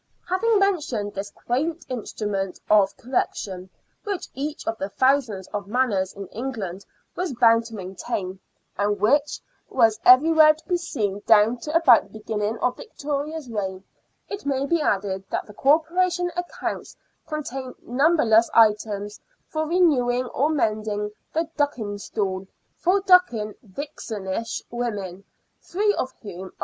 Having mentioned this quaint instrument of correction, which each of the thousands of manors in England was bound to maintain, and which was every where to be seen down to about the beginning of Victoria's reign, it may be added that the corporate accounts contain numberless items for renewing or mending the Ducking Stool for ducking vixenish women, three of whom are 40 SIXTEENTH CENTURY BRISTOL.